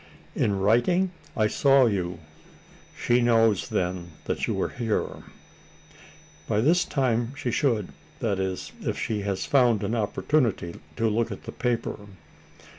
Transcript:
"In writing? I saw you. She knows, then, that you are here?" "By this time she should that is, if she has found an opportunity to look at the paper."